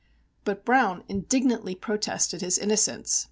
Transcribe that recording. But Browne indignantly protested his innocence.